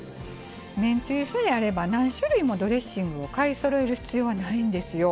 めんつゆさえあれば何種類もドレッシングを買いそろえる必要はないんですよ。